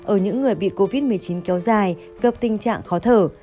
ở những người bị covid một mươi chín kéo dài gặp tình trạng khó thở